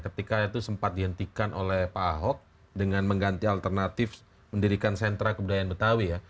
ketika itu sempat dihentikan oleh pak ahok dengan mengganti alternatif mendirikan sentra kebudayaan betawi ya